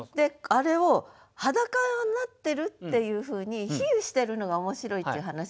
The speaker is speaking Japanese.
あれを裸になってるっていうふうに比喩してるのが面白いっていう話なの。